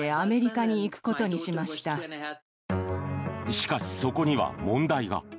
しかし、そこには問題が。